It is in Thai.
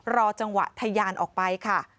รอจังหวะทะยานออกไปค่ะ